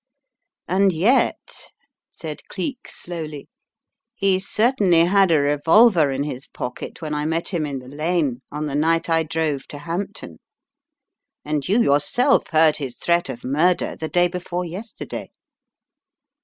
"And yet," said Cleek, slowly, "he certainly had a revolver in his pocket when I met him in the lane on the night I drove to Hampton, and you yourself heard his threat of murder the day before yesterday."